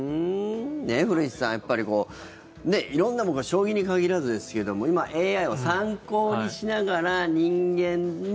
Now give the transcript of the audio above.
古市さん、やっぱり色んなものが将棋に限らずですが今、ＡＩを参考にしながら人間に。